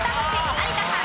有田さん